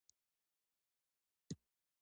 کلوروفیل نبات ته څه ګټه لري؟